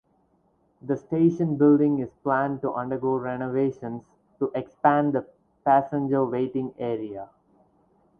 The station building is planned to undergo renovations to expand the passenger waiting area.